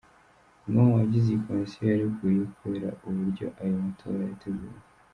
Umwe mu bagize iyi komisiyo yareguye kubera uburyo ayo matora yateguwe.